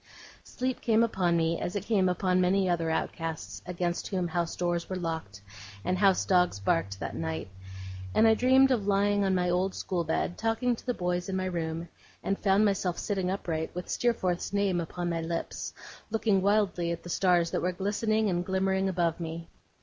Sleep came upon me as it came on many other outcasts, against whom house doors were locked, and house dogs barked, that night and I dreamed of lying on my old school bed, talking to the boys in my room; and found myself sitting upright, with Steerforth's name upon my lips, looking wildly at the stars that were glistening and glimmering above me.